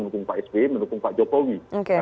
menutup pak sp menutup pak jokowi